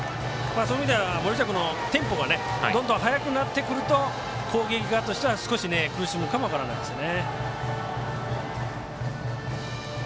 そういう意味では森下君のテンポがどんどん早くなってくると攻撃側としては少し苦しむかも分からないですね。